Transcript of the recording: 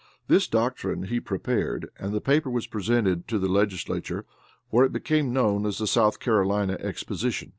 This doctrine he prepared, and the paper was presented to the legislature where it became known as the South Carolina Exposition.